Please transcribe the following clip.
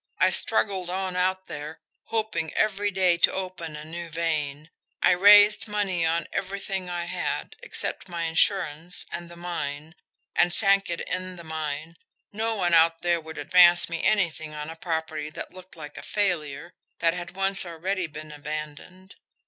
I struggled on out there, hoping every day to open a new vein. I raised money on everything I had, except my insurance and the mine and sank it in the mine. No one out there would advance me anything on a property that looked like a failure, that had once already been abandoned.